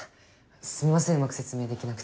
すみませんうまく説明できなくて。